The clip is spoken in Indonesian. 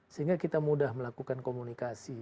sehingga kita mudah melakukan komunikasi